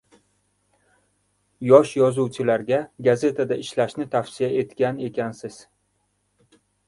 – Yosh yozuvchilarga gazetada ishlashni tavsiya etgan ekansiz.